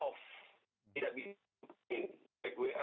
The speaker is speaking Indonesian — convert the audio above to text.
tidak bisa diakses